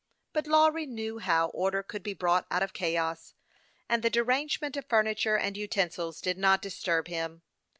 But Lawry knew how order could be brought out of chaos, and the derangement of furniture and uten sils did not disturb him.